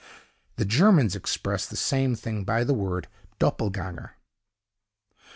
The Germans express the same thing by the word doppelgänger.